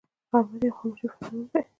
غرمه د یوې خاموشې فضا نوم دی